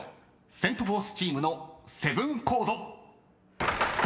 ［セント・フォースチームのセブンコード］